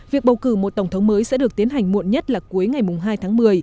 việc bầu cử một tổng thống mới sẽ được tiến hành muộn nhất là cuối ngày hai tháng một mươi